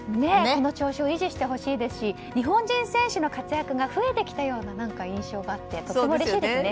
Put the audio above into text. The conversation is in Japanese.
この調子を維持してほしいですし日本人選手の活躍が増えてきたような印象があってとてもうれしいですよね。